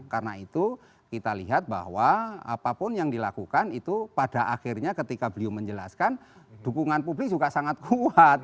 karena itu kita lihat bahwa apapun yang dilakukan itu pada akhirnya ketika beliau menjelaskan dukungan publik juga sangat kuat